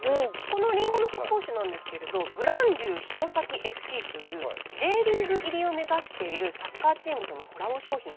このりんごの発泡酒なんですけれどブランデュー弘前ＦＣというＪリーグ入りを目指しているサッカーチームとのコラボ商品。